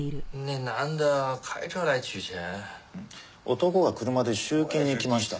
男が車で集金に来ました。